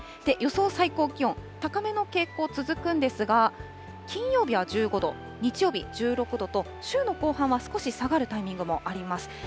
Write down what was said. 予想最高気温、高めの傾向続くんですが、金曜日は１５度、日曜日１６度と、週の後半は少し下がるタイミングもあります。